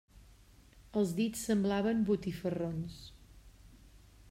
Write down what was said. Els dits semblaven botifarrons.